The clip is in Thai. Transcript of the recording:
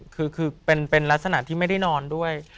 คือเป็นลักษณะที่ไม่ได้นอนด้วย